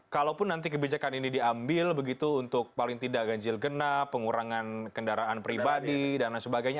kalaupun nanti kebijakan ini diambil begitu untuk paling tidak ganjil genap pengurangan kendaraan pribadi dan lain sebagainya